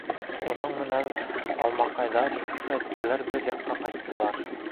Уның менән Алмаҡайҙар, Хәҙисәләр бер яҡҡа ҡайттылар.